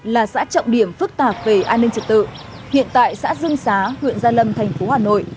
là xã trọng điểm phức tạp về an ninh trật tự hiện tại xã dương xá huyện gia lâm thành phố hà nội